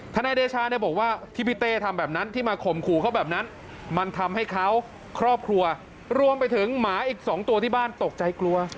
นายเดชาเนี่ยบอกว่าที่พี่เต้ทำแบบนั้นที่มาข่มขู่เขาแบบนั้นมันทำให้เขาครอบครัวรวมไปถึงหมาอีก๒ตัวที่บ้านตกใจกลัว